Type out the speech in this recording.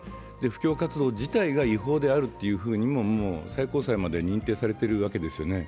布教活動自体が違法であると最高裁まで認定されているわけですよね。